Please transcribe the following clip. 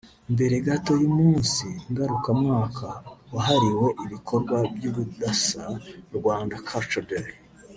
Mbere gato y’umunsi ngarukamwaka wahariwe ibikorwa by’ubudasa ‘Rwanda Cultural Day’